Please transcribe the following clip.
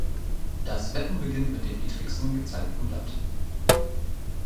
Das Wetten beginnt mit dem niedrigsten gezeigten Blatt.